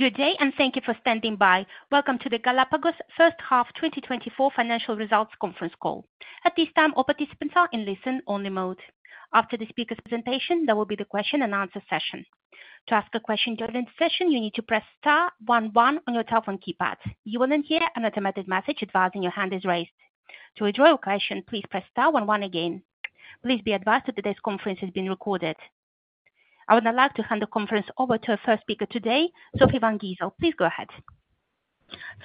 Good day, and thank you for standing by. Welcome to the Galapagos first half 2024 financial results conference call. At this time, all participants are in listen-only mode. After the speaker presentation, there will be the question-and-answer session. To ask a question during the session, you need to press star one one on your telephone keypad. You will then hear an automated message advising your hand is raised. To withdraw your question, please press star one one again. Please be advised that today's conference is being recorded. I would now like to hand the conference over to our first speaker today, Sofie Van Gijsel. Please go ahead.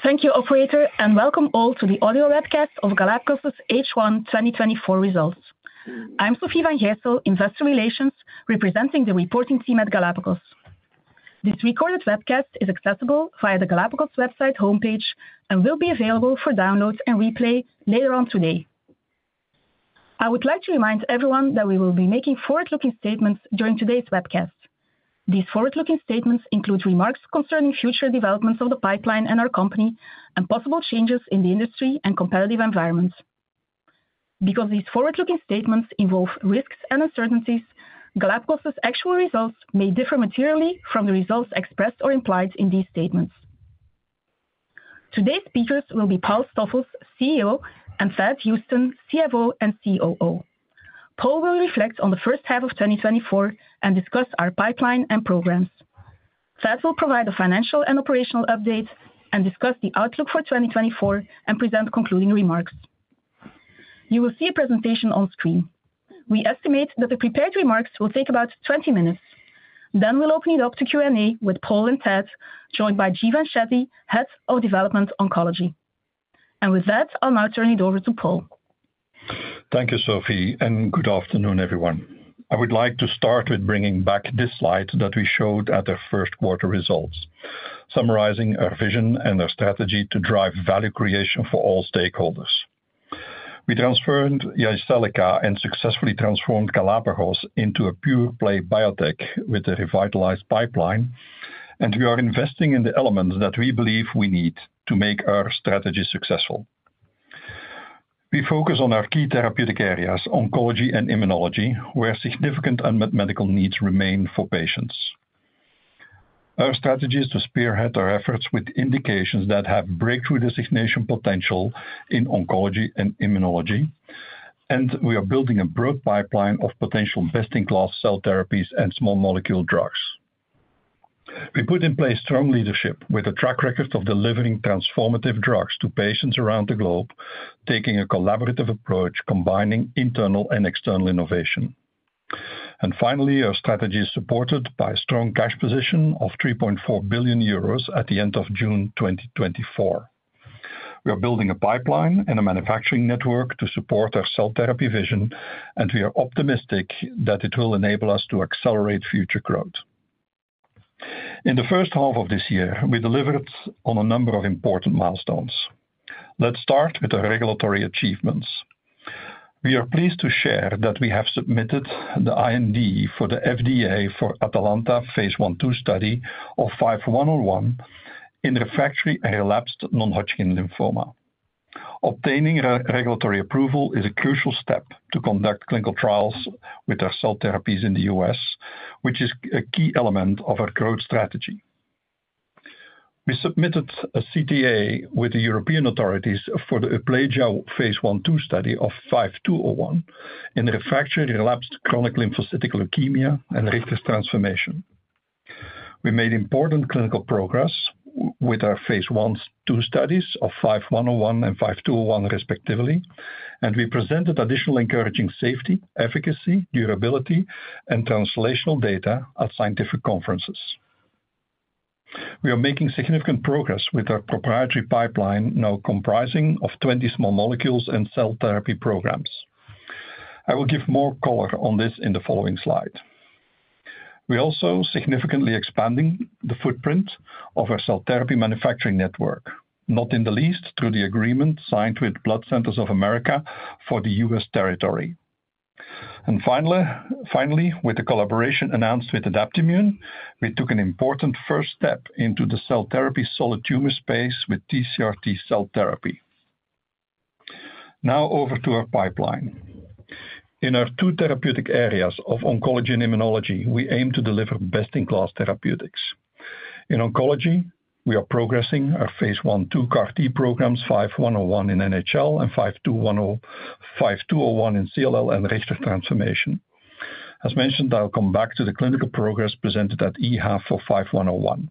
Thank you, operator, and welcome all to the audio webcast of Galapagos's H1 2024 results. I'm Sofie Van Gijsel, Investor Relations, representing the reporting team at Galapagos. This recorded webcast is accessible via the Galapagos website homepage and will be available for download and replay later on today. I would like to remind everyone that we will be making forward-looking statements during today's webcast. These forward-looking statements include remarks concerning future developments of the pipeline and our company and possible changes in the industry and competitive environments. Because these forward-looking statements involve risks and uncertainties, Galapagos's actual results may differ materially from the results expressed or implied in these statements. Today's speakers will be Paul Stoffels, CEO, and Thad Huston, CFO and COO. Paul will reflect on the first half of 2024 and discuss our pipeline and programs. Thad will provide a financial and operational update and discuss the outlook for 2024 and present concluding remarks. You will see a presentation on screen. We estimate that the prepared remarks will take about 20 minutes. Then we'll open it up to Q&A with Paul and Thad, joined by Jeevan Shetty, Head of Development Oncology. With that, I'll now turn it over to Paul. Thank you, Sofie, and good afternoon, everyone. I would like to start with bringing back this slide that we showed at our first quarter results, summarizing our vision and our strategy to drive value creation for all stakeholders. We transformed Jyseleca and successfully transformed Galapagos into a pure-play biotech with a revitalized pipeline, and we are investing in the elements that we believe we need to make our strategy successful. We focus on our key therapeutic areas, oncology and immunology, where significant unmet medical needs remain for patients. Our strategy is to spearhead our efforts with indications that have breakthrough designation potential in oncology and immunology, and we are building a broad pipeline of potential best-in-class cell therapies and small molecule drugs. We put in place strong leadership with a track record of delivering transformative drugs to patients around the globe, taking a collaborative approach, combining internal and external innovation. Finally, our strategy is supported by a strong cash position of 3.4 billion euros at the end of June 2024. We are building a pipeline and a manufacturing network to support our cell therapy vision, and we are optimistic that it will enable us to accelerate future growth. In the first half of this year, we delivered on a number of important milestones. Let's start with the regulatory achievements. We are pleased to share that we have submitted the IND for the FDA for ATALANTA phase I/II study of 5101 in refractory and relapsed non-Hodgkin lymphoma. Obtaining regulatory approval is a crucial step to conduct clinical trials with our cell therapies in the U.S., which is a key element of our growth strategy. We submitted a CTA with the European authorities for the EUPLAGIA phase I/II study of 5201 in refractory relapsed chronic lymphocytic leukemia and Richter's transformation. We made important clinical progress with our phase I/II studies of 5101 and 5201, respectively, and we presented additional encouraging safety, efficacy, durability, and translational data at scientific conferences. We are making significant progress with our proprietary pipeline, now comprising 20 small molecules and cell therapy programs. I will give more color on this in the following slide. We're also significantly expanding the footprint of our cell therapy manufacturing network, not in the least, through the agreement signed with Blood Centers of America for the U.S. territory. And finally, with the collaboration announced with Adaptimmune, we took an important first step into the cell therapy solid tumor space with TCR-T cell therapy. Now over to our pipeline. In our two therapeutic areas of oncology and immunology, we aim to deliver best-in-class therapeutics. In oncology, we are progressing our phase I/II CAR-T programs, 5101 in NHL and 5201 in CLL and Richter's transformation. As mentioned, I'll come back to the clinical progress presented at EHA for 5101.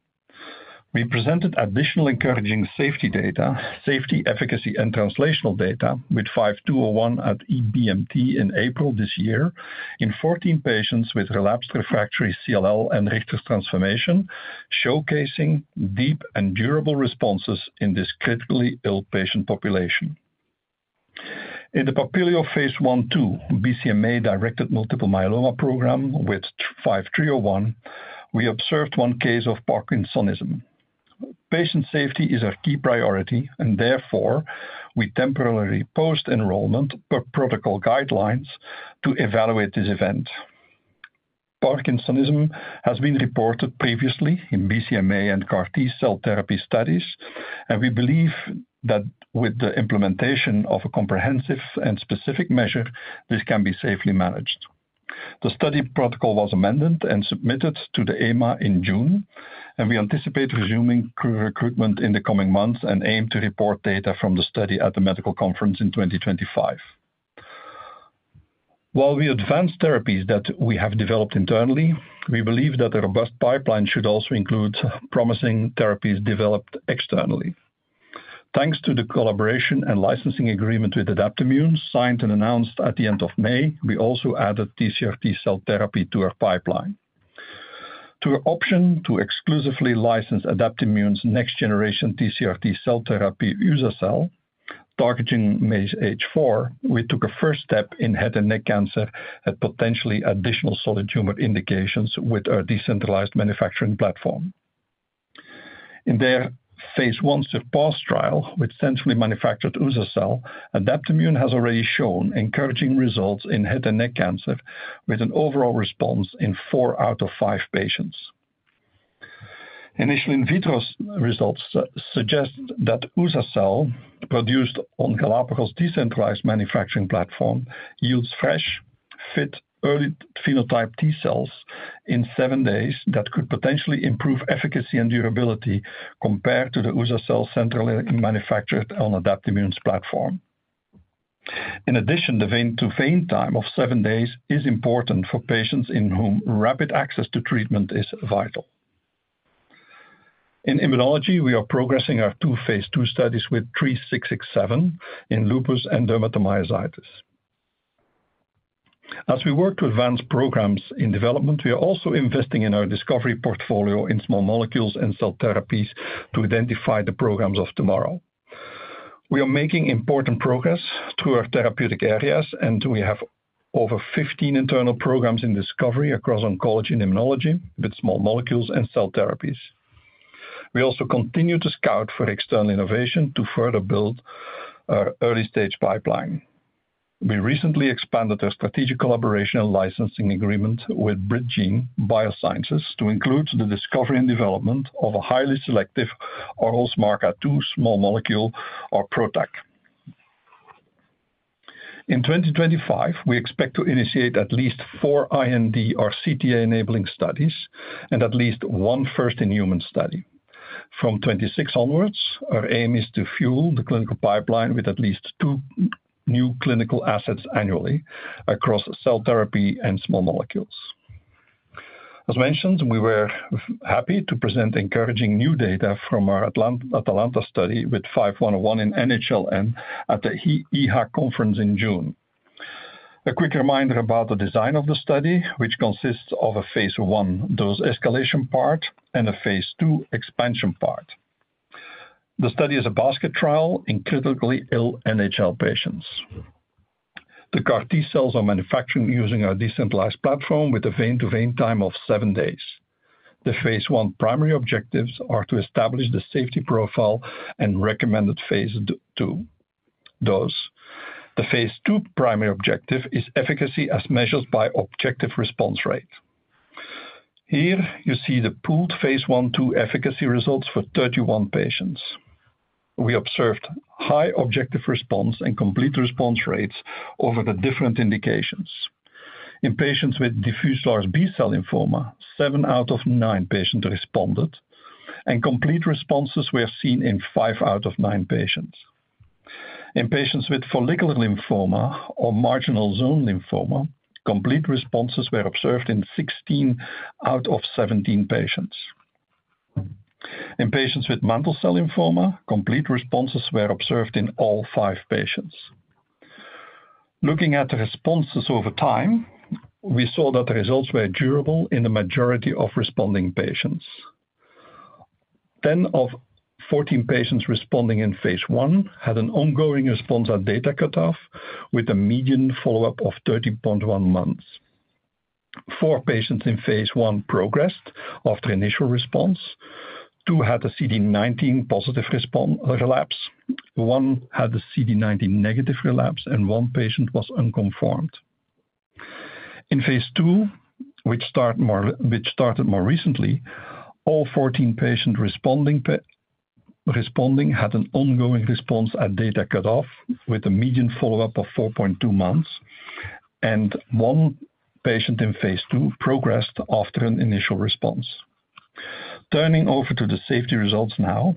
We presented additional encouraging safety data, safety, efficacy, and translational data with 5201 at EBMT in April this year in 14 patients with relapsed refractory CLL and Richter's transformation, showcasing deep and durable responses in this critically ill patient population. In the PAPILIO phase I/II BCMA-directed multiple myeloma program with 5301, we observed one case of Parkinsonism. Patient safety is our key priority, and therefore, we temporarily paused enrollment per protocol guidelines to evaluate this event. Parkinsonism has been reported previously in BCMA and CAR-T cell therapy studies, and we believe that with the implementation of a comprehensive and specific measure, this can be safely managed. The study protocol was amended and submitted to the EMA in June, and we anticipate resuming recruitment in the coming months and aim to report data from the study at the medical conference in 2025. While we advance therapies that we have developed internally, we believe that a robust pipeline should also include promising therapies developed externally. Thanks to the collaboration and licensing agreement with Adaptimmune, signed and announced at the end of May, we also added TCR-T cell therapy to our pipeline. To our option to exclusively license Adaptimmune's next generation TCR-T cell therapy, uza-cel, targeting MAGE-A4, we took a first step in head and neck cancer at potentially additional solid tumor indications with our decentralized manufacturing platform. In their phase I SURPASS trial, with centrally manufactured uza-cel, Adaptimmune has already shown encouraging results in head and neck cancer, with an overall response in 4 out of 5 patients. Initial in vitro results suggest that uza-cel, produced on Galapagos' decentralized manufacturing platform, yields fresh, fit, early phenotype T-cells in seven days that could potentially improve efficacy and durability compared to the uza-cel centrally manufactured on Adaptimmune's platform. In addition, the vein-to-vein time of seven days is important for patients in whom rapid access to treatment is vital. In immunology, we are progressing our two phase II studies with 3667 in lupus and dermatomyositis. As we work to advance programs in development, we are also investing in our discovery portfolio in small molecules and cell therapies to identify the programs of tomorrow. We are making important progress through our therapeutic areas, and we have over 15 internal programs in discovery across oncology and immunology, with small molecules and cell therapies. We also continue to scout for external innovation to further build our early-stage pipeline. We recently expanded a strategic collaboration and licensing agreement with BridGene Biosciences to include the discovery and development of a highly selective oral SMARCA2 small molecule or PROTAC. In 2025, we expect to initiate at least 4 IND or CTA-enabling studies, and at least 1 first-in-human study. From 2026 onwards, our aim is to fuel the clinical pipeline with at least 2 new clinical assets annually across cell therapy and small molecules. As mentioned, we were happy to present encouraging new data from our ATALANTA study with 5101 in NHL at the EHA conference in June. A quick reminder about the design of the study, which consists of a phase I, dose escalation part and a phase II expansion part. The study is a basket trial in critically ill NHL patients. The CAR T-cells are manufactured using our decentralized platform with a vein-to-vein time of 7 days. The phase I primary objectives are to establish the safety profile and recommended phase II dose. The phase II primary objective is efficacy as measured by objective response rate. Here you see the pooled phase I/II efficacy results for 31 patients. We observed high objective response and complete response rates over the different indications. In patients with diffuse large B-cell lymphoma, 7 out of 9 patients responded, and complete responses were seen in 5 out of 9 patients. In patients with follicular lymphoma or marginal zone lymphoma, complete responses were observed in 16 out of 17 patients. In patients with mantle cell lymphoma, complete responses were observed in all 5 patients. Looking at the responses over time, we saw that the results were durable in the majority of responding patients. 10 of 14 patients responding in phase I had an ongoing response at data cutoff, with a median follow-up of 13.1 months. 4 patients in phase I progressed after initial response, 2 had a CD19-positive relapse, 1 had a CD19-negative relapse, and 1 patient was unconfirmed. In phase II, which started more recently, all 14 patients responding had an ongoing response at data cutoff, with a median follow-up of 4.2 months, and 1 patient in phase II progressed after an initial response. Turning over to the safety results now,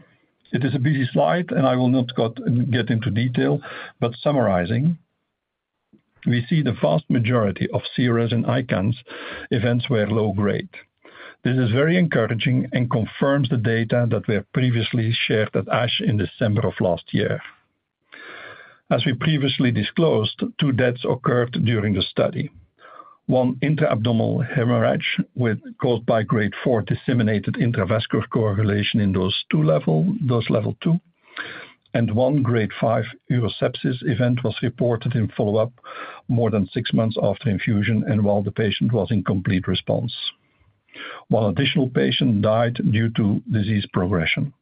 it is a busy slide, and I will not get into detail, but summarizing, we see the vast majority of CRS and ICANS events were low grade. This is very encouraging and confirms the data that we have previously shared at ASH in December of last year. As we previously disclosed, 2 deaths occurred during the study. One intra-abdominal hemorrhage, caused by grade 4 disseminated intravascular coagulation in dose level 2, and one grade 5 urosepsis event was reported in follow-up more than 6 months after infusion and while the patient was in complete response. One additional patient died due to disease progression.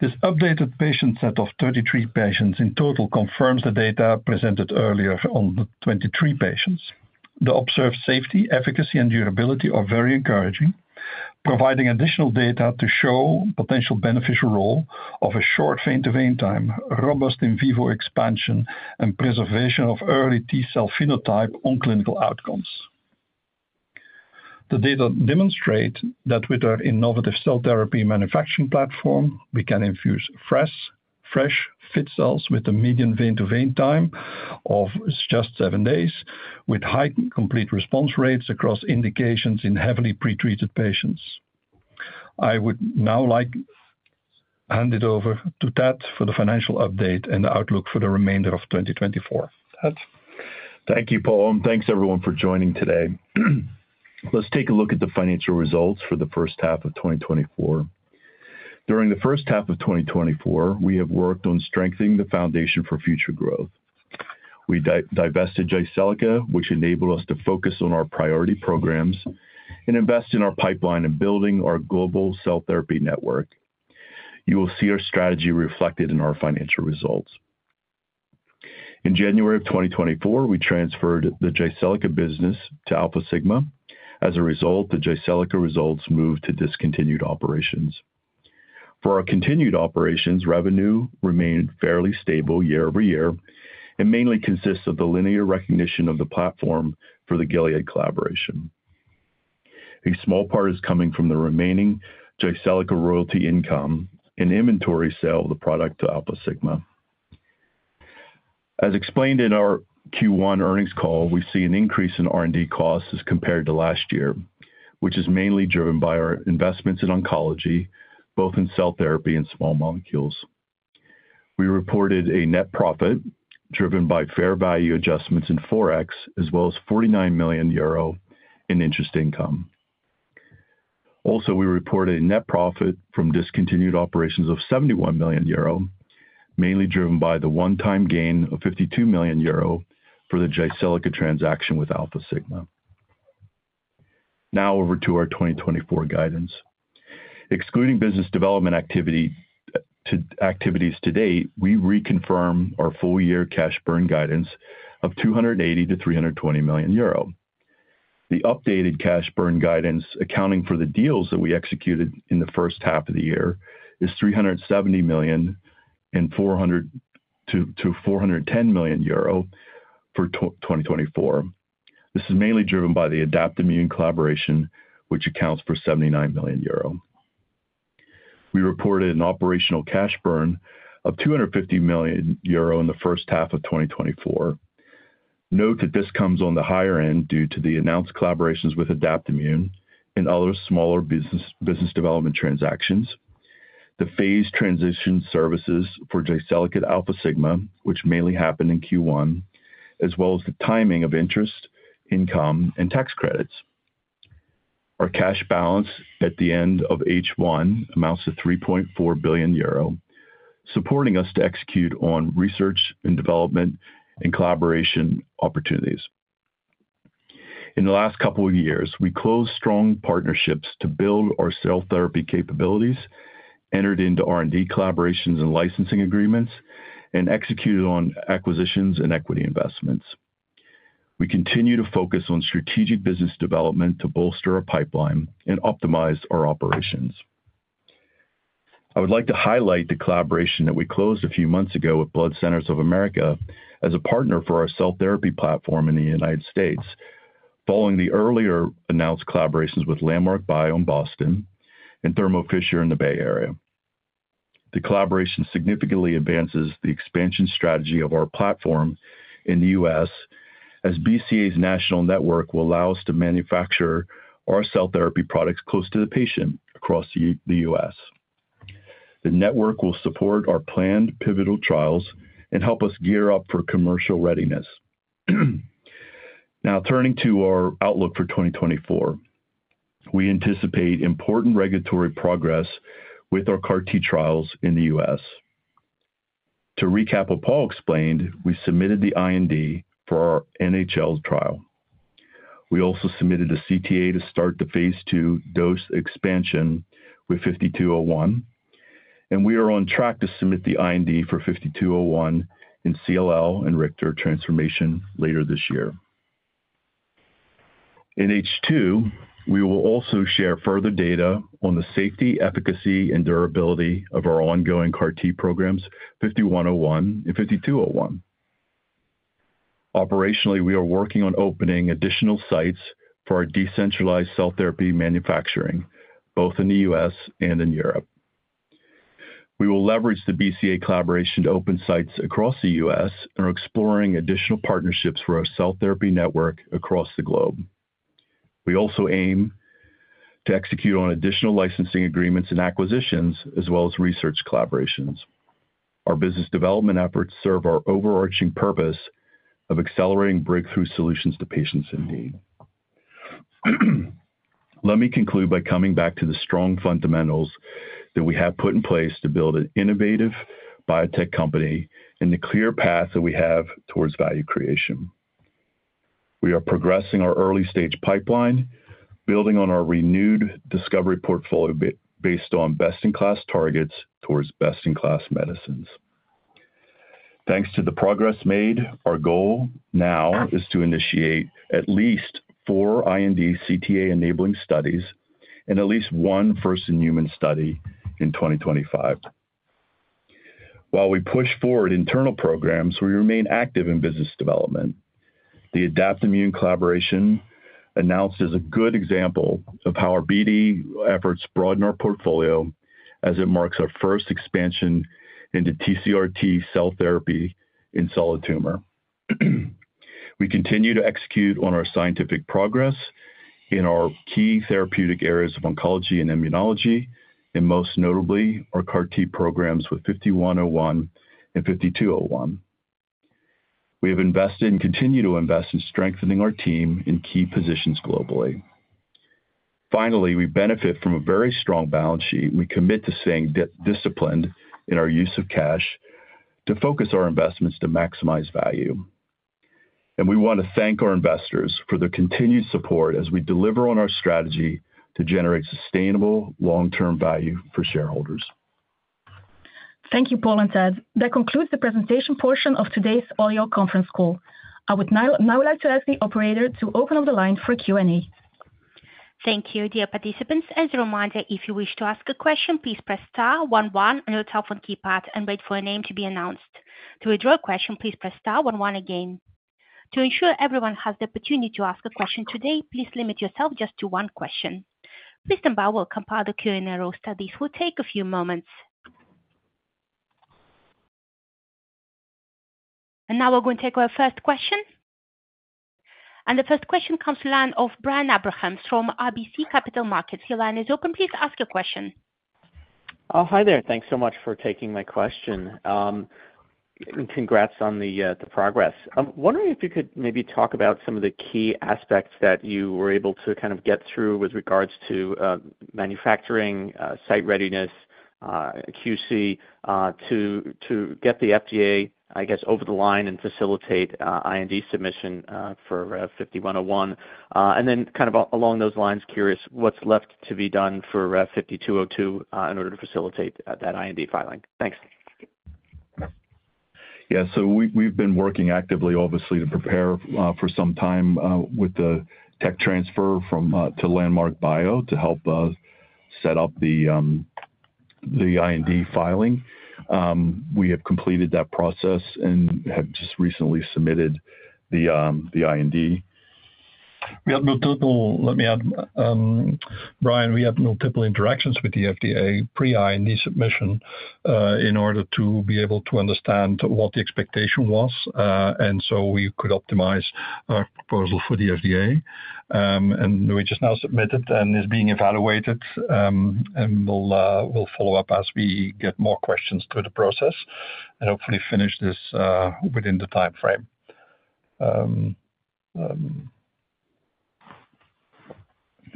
This updated patient set of 33 patients in total confirms the data presented earlier on the 23 patients. The observed safety, efficacy and durability are very encouraging.. Providing additional data to show potential beneficial role of a short vein-to-vein time, robust in vivo expansion, and preservation of early T-cell phenotype on clinical outcomes. The data demonstrate that with our innovative cell therapy manufacturing platform, we can infuse fresh, fresh fit cells with a median vein-to-vein time of just seven days, with high complete response rates across indications in heavily pretreated patients. I would now like to hand it over to Thad for the financial update and the outlook for the remainder of 2024. Thad? Thank you, Paul, and thanks everyone for joining today. Let's take a look at the financial results for the first half of 2024. During the first half of 2024, we have worked on strengthening the foundation for future growth. We divested Jyseleca, which enabled us to focus on our priority programs and invest in our pipeline and building our global cell therapy network. You will see our strategy reflected in our financial results. In January of 2024, we transferred the Jyseleca business to Alfasigma. As a result, the Jyseleca results moved to discontinued operations. For our continued operations, revenue remained fairly stable year-over-year and mainly consists of the linear recognition of the platform for the Gilead collaboration. A small part is coming from the remaining Jyseleca royalty income and inventory sale of the product to Alfasigma. As explained in our Q1 earnings call, we see an increase in R&D costs as compared to last year, which is mainly driven by our investments in oncology, both in cell therapy and small molecules. We reported a net profit driven by fair value adjustments in Forex, as well as 49 million euro in interest income. Also, we reported a net profit from discontinued operations of 71 million euro, mainly driven by the one-time gain of 52 million euro for the Jyseleca transaction with Alfasigma. Now over to our 2024 guidance. Excluding business development activities to date, we reconfirm our full-year cash burn guidance of 280-320 million euro. The updated cash burn guidance, accounting for the deals that we executed in the first half of the year, is 370 million-410 million euro for 2024. This is mainly driven by the Adaptimmune collaboration, which accounts for 79 million euro. We reported an operational cash burn of 250 million euro in the first half of 2024. Note that this comes on the higher end due to the announced collaborations with Adaptimmune and other smaller business development transactions, the phase transition services for Jyseleca and Alfasigma, which mainly happened in Q1, as well as the timing of interest, income, and tax credits. Our cash balance at the end of H1 amounts to 3.4 billion euro, supporting us to execute on research and development and collaboration opportunities. In the last couple of years, we closed strong partnerships to build our cell therapy capabilities, entered into R&D collaborations and licensing agreements, and executed on acquisitions and equity investments. We continue to focus on strategic business development to bolster our pipeline and optimize our operations. I would like to highlight the collaboration that we closed a few months ago with Blood Centers of America as a partner for our cell therapy platform in the United States, following the earlier announced collaborations with Landmark Bio in Boston and Thermo Fisher in the Bay Area. The collaboration significantly advances the expansion strategy of our platform in the U.S., as BCA's national network will allow us to manufacture our cell therapy products close to the patient across the U.S. The network will support our planned pivotal trials and help us gear up for commercial readiness. Now, turning to our outlook for 2024. We anticipate important regulatory progress with our CAR-T trials in the U.S. To recap what Paul explained, we submitted the IND for our NHL trial. We also submitted a CTA to start the phase II dose expansion with 5201, and we are on track to submit the IND for 5201 in CLL and Richter's transformation later this year. In H2, we will also share further data on the safety, efficacy, and durability of our ongoing CAR-T programs, 5101 and 5201. Operationally, we are working on opening additional sites for our decentralized cell therapy manufacturing, both in the U.S. and in Europe. We will leverage the BCA collaboration to open sites across the U.S. and are exploring additional partnerships for our cell therapy network across the globe. We also aim to execute on additional licensing agreements and acquisitions, as well as research collaborations. Our business development efforts serve our overarching purpose of accelerating breakthrough solutions to patients in need. Let me conclude by coming back to the strong fundamentals that we have put in place to build an innovative biotech company and the clear path that we have towards value creation. We are progressing our early-stage pipeline, building on our renewed discovery portfolio based on best-in-class targets towards best-in-class medicines. Thanks to the progress made, our goal now is to initiate at least four IND CTA-enabling studies and at least one first-in-human study in 2025. While we push forward internal programs, we remain active in business development. The Adaptimmune collaboration announced is a good example of how our BD efforts broaden our portfolio, as it marks our first expansion into TCR-T cell therapy in solid tumor. We continue to execute on our scientific progress in our key therapeutic areas of oncology and immunology, and most notably, our CAR T programs with 5101 and 5201. We have invested and continue to invest in strengthening our team in key positions globally. Finally, we benefit from a very strong balance sheet, and we commit to staying disciplined in our use of cash to focus our investments to maximize value. And we want to thank our investors for their continued support as we deliver on our strategy to generate sustainable long-term value for shareholders. Thank you, Paul and Thad. That concludes the presentation portion of today's conference call. I would like to ask the operator to open up the line for Q&A. Thank you, dear participants. As a reminder, if you wish to ask a question, please press star one one on your telephone keypad and wait for your name to be announced. To withdraw a question, please press star one one again. To ensure everyone has the opportunity to ask a question today, please limit yourself just to one question. Please stand by while we compile the Q&A roster. This will take a few moments. Now we're going to take our first question. The first question comes from the line of Brian Abrahams from RBC Capital Markets. Your line is open. Please ask your question. Oh, hi there. Thanks so much for taking my question. Congrats on the progress. I'm wondering if you could maybe talk about some of the key aspects that you were able to kind of get through with regards to manufacturing site readiness, QC, to get the FDA, I guess, over the line and facilitate IND submission for GLPG5101. And then kind of along those lines, curious what's left to be done for GLPG5201 in order to facilitate that IND filing? Thanks. Yeah. So we, we've been working actively, obviously, to prepare for some time with the tech transfer from to Landmark Bio to help set up the IND filing. We have completed that process and have just recently submitted the IND. Let me add, Brian, we have multiple interactions with the FDA pre-IND submission, in order to be able to understand what the expectation was, and so we could optimize our proposal for the FDA. We just now submitted, and is being evaluated, and we'll follow up as we get more questions through the process and hopefully finish this within the timeframe.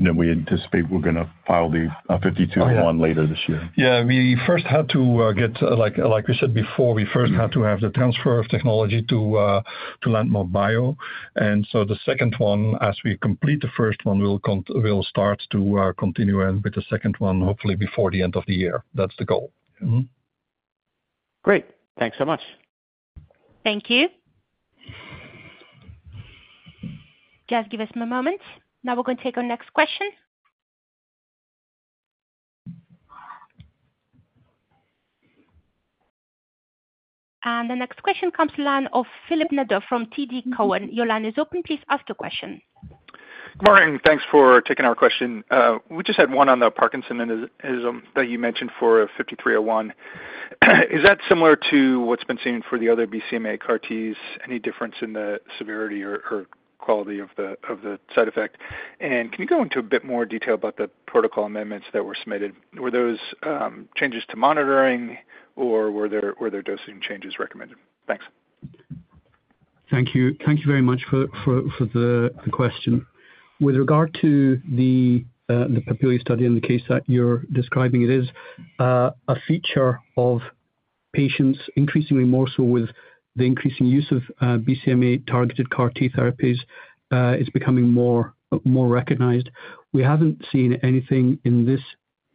And then we anticipate we're gonna file the GLPG5201 later this year. Yeah, we first had to get, like we said before, we first had to have the transfer of technology to Landmark Bio. And so the second one, as we complete the first one, we'll start to continue on with the second one, hopefully before the end of the year. That's the goal. Great. Thanks so much. Thank you. Just give us a moment. Now we're going to take our next question. And the next question comes from the line of Philip Nadeau from TD Cowen. Your line is open, please ask the question. Good morning. Thanks for taking our question. We just had one on the parkinsonism that you mentioned for 5301. Is that similar to what's been seen for the other BCMA CAR-Ts? Any difference in the severity or quality of the side effect? And can you go into a bit more detail about the protocol amendments that were submitted? Were those changes to monitoring, or were there dosing changes recommended? Thanks. Thank you. Thank you very much for the question. With regard to the PAPILIO study in the case that you're describing, it is a feature of patients, increasingly more so with the increasing use of BCMA-targeted CAR-T therapies, it's becoming more recognized. We haven't seen anything in this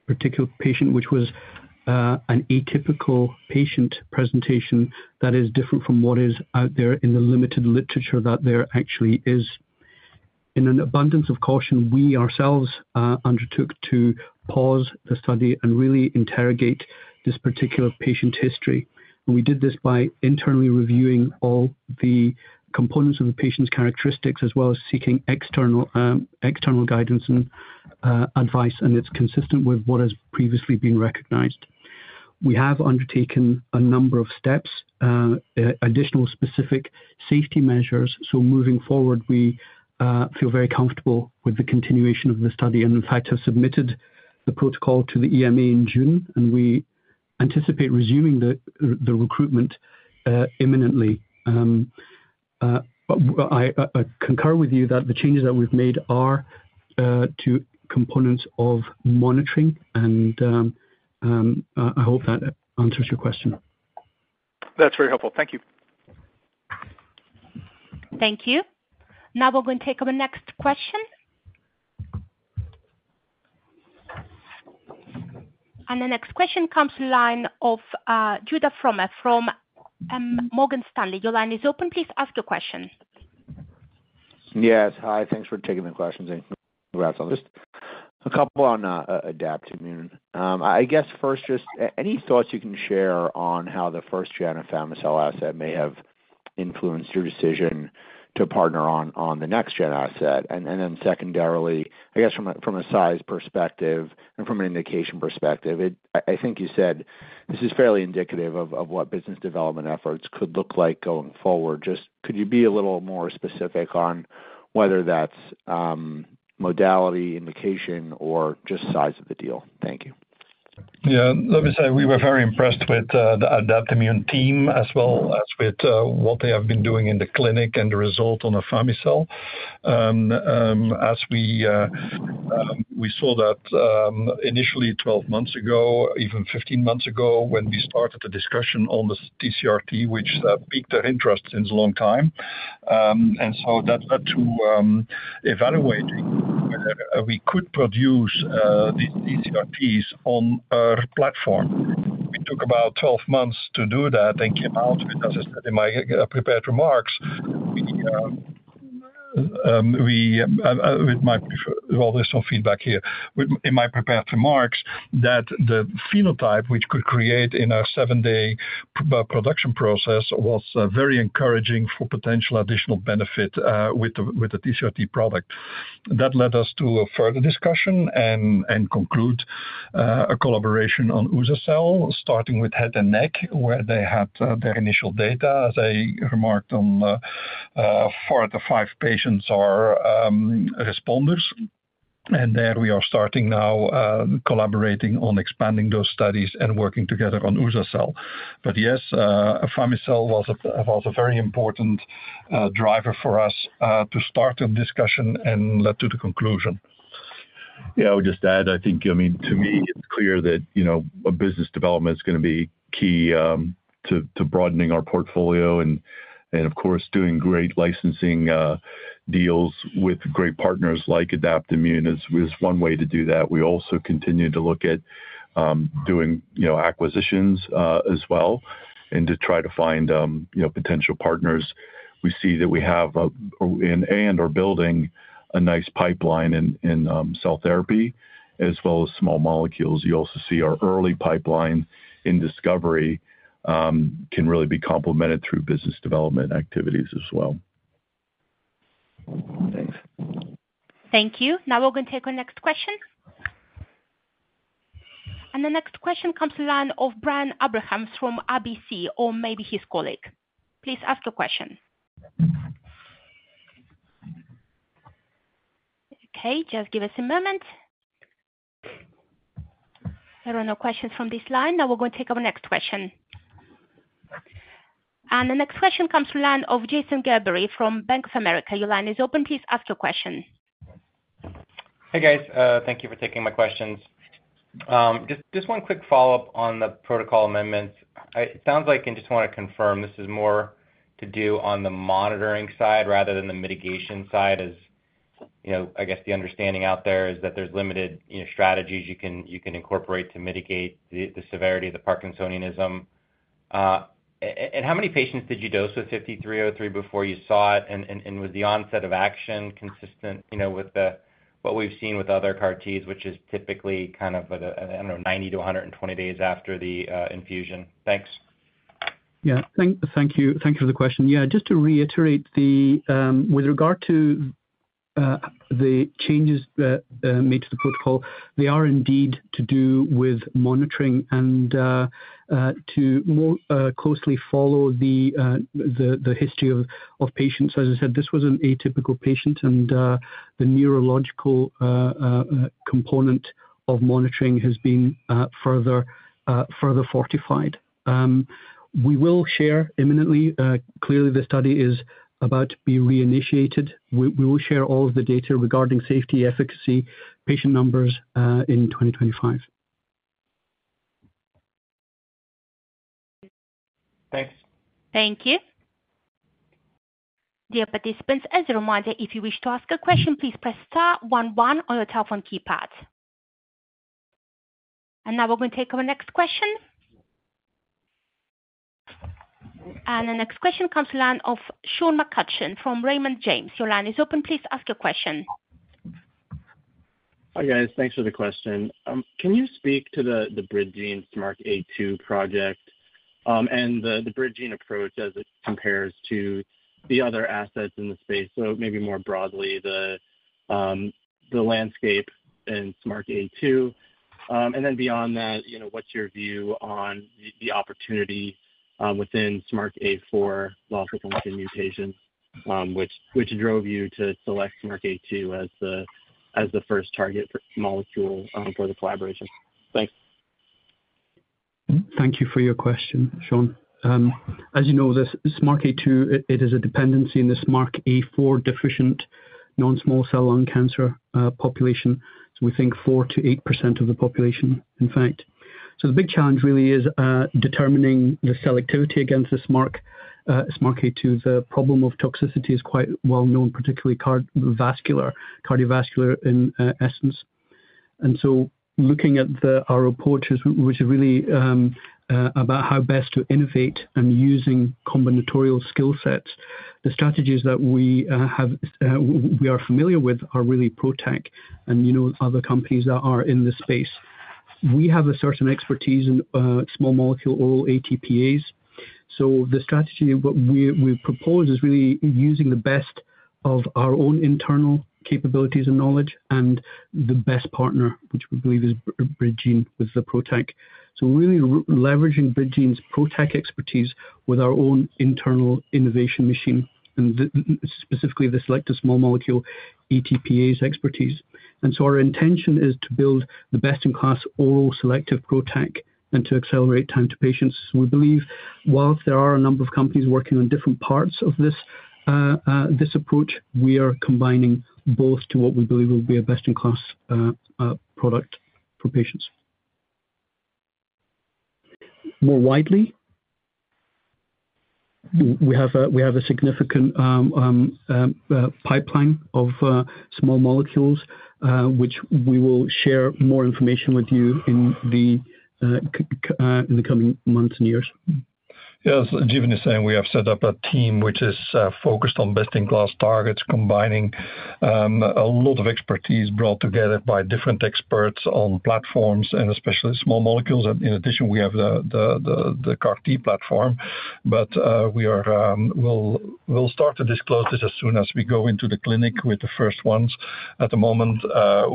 particular patient, which was an atypical patient presentation that is different from what is out there in the limited literature that there actually is. In an abundance of caution, we ourselves undertook to pause the study and really interrogate this particular patient history. We did this by internally reviewing all the components of the patient's characteristics, as well as seeking external guidance and advice, and it's consistent with what has previously been recognized. We have undertaken a number of steps, additional specific safety measures. So moving forward, we feel very comfortable with the continuation of the study, and in fact, have submitted the protocol to the EMA in June, and we anticipate resuming the recruitment imminently. But I concur with you that the changes that we've made are to components of monitoring, and I hope that answers your question. That's very helpful. Thank you. Thank you. Now we're going to take our next question. And the next question comes to the line of Judah Frommer from Morgan Stanley. Your line is open. Please ask your question. Yes. Hi, thanks for taking the questions and congrats on this. A couple on Adaptimmune. I guess first, just any thoughts you can share on how the first gen afami-cel asset may have influenced your decision to partner on the next gen asset? And then secondarily, I guess from a size perspective and from an indication perspective. I think you said this is fairly indicative of what business development efforts could look like going forward. Just could you be a little more specific on whether that's modality, indication or just size of the deal? Thank you. Yeah. Let me say, we were very impressed with the Adaptimmune team, as well as with what they have been doing in the clinic and the result on afami-cel. As we saw that initially 12 months ago, even 15 months ago, when we started the discussion on the TCR-T, which piqued our interest in a long time. And so that led to evaluating whether we could produce these TCR-Ts on our platform. It took about 12 months to do that and came out with, as I said in my prepared remarks, we, we, with my. Well, there's some feedback here. With- in my prepared remarks, that the phenotype which could create in our 7-day production process was very encouraging for potential additional benefit with the with the TCR-T product. That led us to a further discussion and conclude a collaboration on uza-cel, starting with head and neck, where they had their initial data. As I remarked on, 4 of the 5 patients are responders. And there we are starting now, collaborating on expanding those studies and working together on uza-cel. But yes, afami-cel was a very important driver for us to start a discussion and led to the conclusion. Yeah, I would just add, I think, I mean, to me, it's clear that, you know, a business development is gonna be key to broadening our portfolio and, of course, doing great licensing deals with great partners like Adaptimmune is one way to do that. We also continue to look at doing, you know, acquisitions as well, and to try to find, you know, potential partners. We see that we have an and/or building a nice pipeline in cell therapy as well as small molecules. You also see our early pipeline in discovery can really be complemented through business development activities as well. Thanks. Thank you. Now we're going to take our next question. And the next question comes to line of Brian Abrahams from RBC, or maybe his colleague. Please ask your question. Okay, just give us a moment. There are no questions from this line. Now we're going to take our next question. And the next question comes to line of Jason Gerberry from Bank of America. Your line is open. Please ask your question. Hey, guys. Thank you for taking my questions. Just one quick follow-up on the protocol amendments. It sounds like, and just want to confirm, this is more to do on the monitoring side rather than the mitigation side. As you know, I guess the understanding out there is that there's limited strategies you can incorporate to mitigate the severity of the Parkinsonism. And how many patients did you dose with 5301 before you saw it? And was the onset of action consistent with what we've seen with other CAR Ts, which is typically kind of 90-120 days after the infusion? Thanks. Yeah. Thank you. Thank you for the question. Yeah, just to reiterate the, with regard to the changes made to the protocol, they are indeed to do with monitoring and to more closely follow the history of patients. As I said, this was an atypical patient, and the neurological component of monitoring has been further fortified. We will share imminently. Clearly, the study is about to be reinitiated. We will share all of the data regarding safety, efficacy, patient numbers in 2025. Thanks. Thank you. Dear participants, as a reminder, if you wish to ask a question, please press star one one on your telephone keypad. Now we're going to take our next question. The next question comes to the line of Sean McCutcheon from Raymond James. Your line is open. Please ask your question. Hi, guys. Thanks for the question. Can you speak to the BridGene SMARCA2 project, and the BridGene approach as it compares to the other assets in the space? So maybe more broadly, the landscape in SMARCA2. And then beyond that, you know, what's your view on the opportunity within SMARCA4 loss-of-function mutation, which drove you to select SMARCA2 as the first target for molecule, for the collaboration? Thanks. Thank you for your question, Sean. As you know, the SMARCA2, it is a dependency in the SMARCA4-deficient non-small cell lung cancer population. So we think 4%-8% of the population, in fact. So the big challenge really is determining the selectivity against the SMARCA2. The problem of toxicity is quite well known, particularly cardiovascular in essence. And so looking at our approach is, which is really about how best to innovate and using combinatorial skill sets. The strategies that we have we are familiar with are really PROTAC tech, and you know, other companies that are in this space. We have a certain expertise in small molecule, oral ATPases. So the strategy, what we propose is really using the best of our own internal capabilities and knowledge, and the best partner, which we believe is BridGene, with the PROTAC. So we're really leveraging BridGene's PROTAC expertise with our own internal innovation machine, and specifically, the selective small molecule ATPases expertise. And so our intention is to build the best-in-class oral selective PROTAC and to accelerate time to patients. We believe, while there are a number of companies working on different parts of this, this approach, we are combining both to what we believe will be a best-in-class, product for patients. More widely, we have a significant pipeline of small molecules, which we will share more information with you in the coming months and years. Yes, Jeevan is saying we have set up a team which is focused on best-in-class targets, combining a lot of expertise brought together by different experts on platforms and especially small molecules. And in addition, we have the CART platform. But we'll start to disclose this as soon as we go into the clinic with the first ones. At the moment,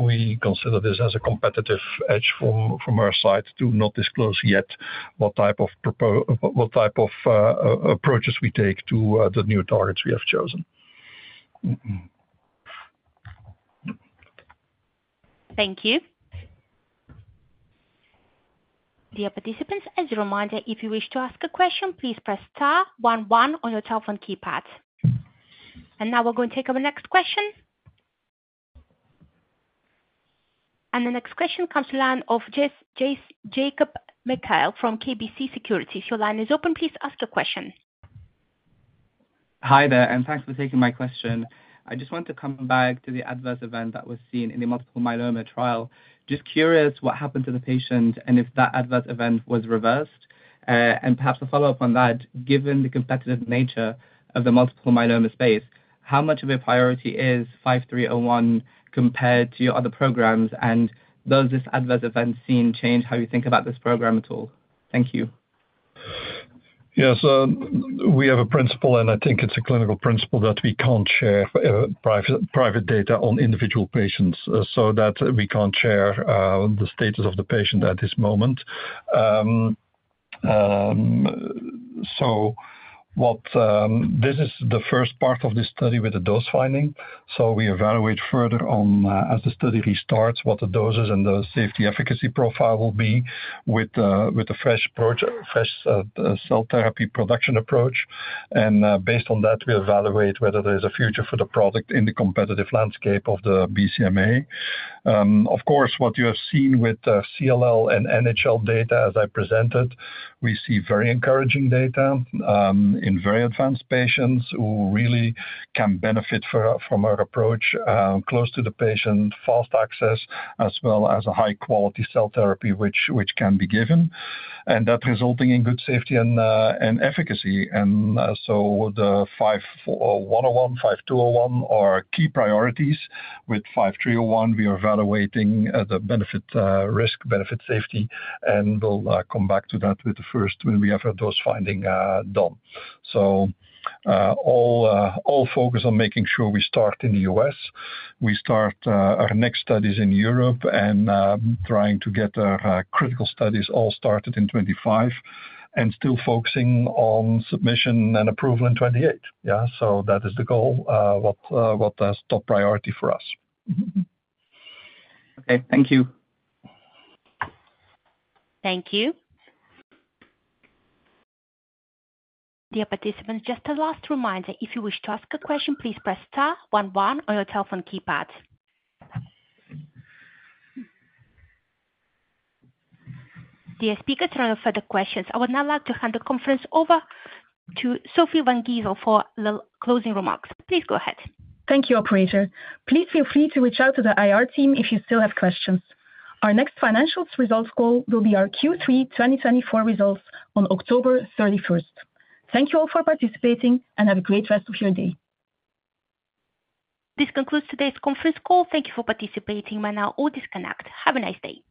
we consider this as a competitive edge from our side to not disclose yet what type of approaches we take to the new targets we have chosen. Mm-hmm. Thank you. Dear participants, as a reminder, if you wish to ask a question, please press star one one on your telephone keypad. Now we're going to take our next question. The next question comes from the line of Jacob Mekhael from KBC Securities. Your line is open, please ask the question. Hi there, and thanks for taking my question. I just want to come back to the adverse event that was seen in the multiple myeloma trial. Just curious what happened to the patient and if that adverse event was reversed? And perhaps to follow up on that, given the competitive nature of the multiple myeloma space, how much of a priority is 5301 compared to your other programs? And does this adverse event seen change how you think about this program at all? Thank you. Yes, we have a principle, and I think it's a clinical principle, that we can't share private, private data on individual patients, so that we can't share the status of the patient at this moment. This is the first part of this study with the dose finding. So we evaluate further on, as the study restarts, what the doses and the safety efficacy profile will be with the fresh approach, fresh cell therapy production approach. And, based on that, we evaluate whether there's a future for the product in the competitive landscape of the BCMA. Of course, what you have seen with the CLL and NHL data, as I presented, we see very encouraging data in very advanced patients who really can benefit from our approach close to the patient, fast access, as well as a high-quality cell therapy, which can be given, and that resulting in good safety and efficacy. So the 5101, 5201 are key priorities. With 5301, we are evaluating the benefit, risk, benefit safety, and we'll come back to that with the first when we have those findings done. All focus on making sure we start in the U.S., we start our next studies in Europe, and trying to get our critical studies all started in 2025, and still focusing on submission and approval in 2028. Yeah, so that is the goal, what is top priority for us. Okay, thank you. Thank you. Dear participants, just a last reminder, if you wish to ask a question, please press star one one on your telephone keypad. Dear speakers, there are no further questions. I would now like to hand the conference over to Sofie Van Gijsel for the closing remarks. Please go ahead. Thank you, operator. Please feel free to reach out to the IR team if you still have questions. Our next financials results call will be our Q3 2024 results on October 31st. Thank you all for participating, and have a great rest of your day. This concludes today's conference call. Thank you for participating. You may now all disconnect. Have a nice day.